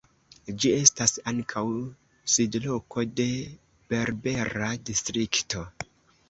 Ĝi estas ankaŭ sidloko de "Berbera Distrikto".